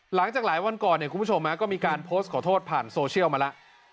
หลังจากหลายวันก่อนเนี่ยคุณผู้ชมก็มีการโพสต์ขอโทษผ่านโซเชียลมาแล้ว